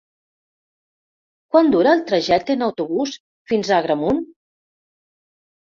Quant dura el trajecte en autobús fins a Agramunt?